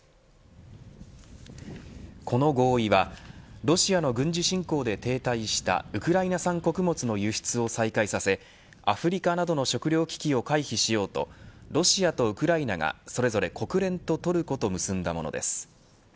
この合意はロシアの軍事侵攻で停滞したウクライナ産穀物の輸出を再開させアフリカなどの食糧危機を回避しようとロシアとウクライナがそれぞれ、国連とトルコと結んだものです。